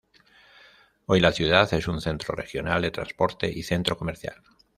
Hoy la ciudad es un centro regional de transporte y centro comercial.